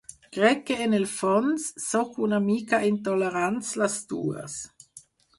Crec que en el fons, sóc una mica intolerants les dues.